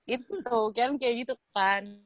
itu tuh kan kayak gitu kan